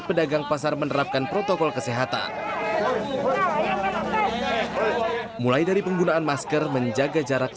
pedagang pasar menerapkan protokol kesehatan mulai dari penggunaan masker menjaga jarak